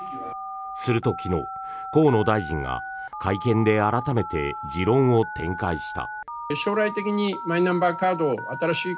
すると昨日、河野大臣が会見で改めて持論を展開した。